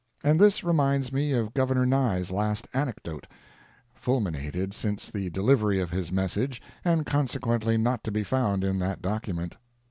And this reminds me of Gov. Nye's last anecdote, fulminated since the delivery of his message, and consequently not to be found in that document.